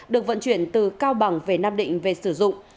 được vận chuyển từ cao bằng về nam định về sử dụng